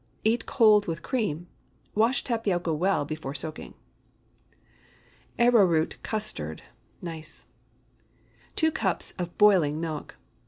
Eat cold with cream. Wash tapioca well before soaking. ARROWROOT CUSTARD. (Nice.) 2 cups of boiling milk.